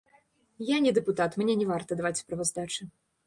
Я не дэпутат, мне не варта даваць справаздачы.